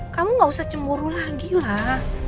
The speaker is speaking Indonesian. kamu gak usah cemburu lagi lah